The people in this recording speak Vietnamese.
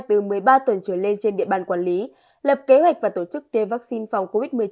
từ một mươi ba tuần trở lên trên địa bàn quản lý lập kế hoạch và tổ chức tiêm vaccine phòng covid một mươi chín